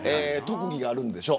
特技があるんでしょ。